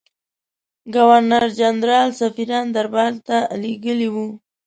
ګورنرجنرال سفیران دربارته لېږلي وه.